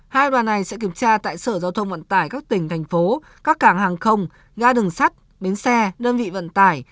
hai đoàn này sẽ kiểm tra tại sở giao thông vận tải các tỉnh thành phố các cảng hàng không ga đường sắt bến xe đơn vị vận tải